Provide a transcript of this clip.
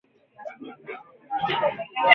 hakikisha maharage yote yanafunikwa na maji